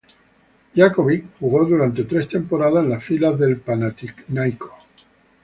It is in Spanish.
Jankovic jugó durante tres temporadas en las filas del Panathinaikos.